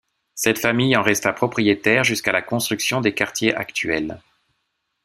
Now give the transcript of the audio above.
Cette famille en resta propriétaire jusqu'à la construction des quartiers actuels.